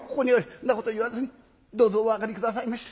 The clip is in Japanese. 「そんなこと言わずにどうぞお上がり下さいまして」。